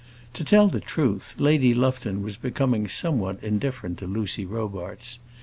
To tell the truth, Lady Lufton was becoming somewhat indifferent to Lucy Robarts.